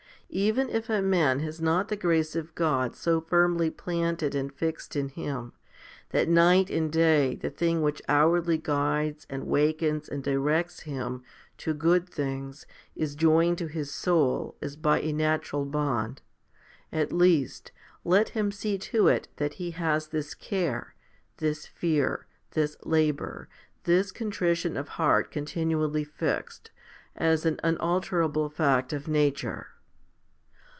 Even if a man has not the grace of God so firmly planted and fixed in him, that night and day the thing which hourly guides and wakens and directs him to good things is joined to his soul as by a natural bond, at least, let him see to it that he has this care, this fear, this labour, this contrition of heart continually fixed, as an unalterable fact of nature.